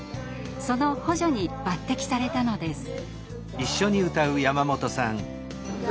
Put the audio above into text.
その補助に抜てきされたのです。